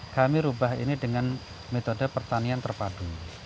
kami rubah ini dengan metode pertanian terpadu